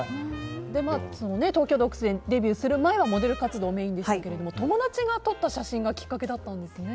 「東京ＤＯＧＳ」でデビューする前はモデル活動メインでしたけれども友達が撮った写真がきっかけだったんですね。